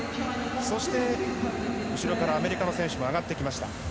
そして、後ろからアメリカの選手も上がってきました。